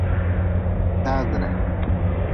Taagre.